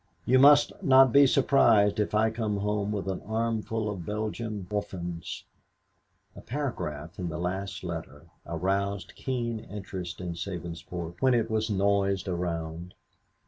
You must not be surprised if I come home with an armful of Belgian orphans." A paragraph in a last letter aroused keen interest in Sabinsport when it was noised around.